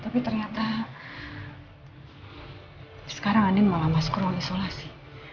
tapi ternyata sekarang andin malah masuk ke ruang isolasi